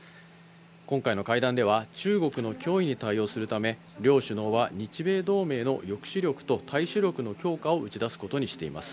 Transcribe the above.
今回の会談では、中国の脅威に対応するため、両首脳は日米同盟の抑止力と対処力の強化を打ち出すことにしています。